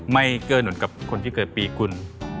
ไม่เกินเหนิดกับคนที่เกิดปีกุล